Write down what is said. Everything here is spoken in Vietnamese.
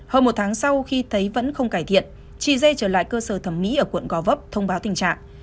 hơn một tháng sau khi thấy vẫn không cải thiện chị dây trở lại cơ sở thẩm mỹ ở quận gò vấp thông báo tình trạng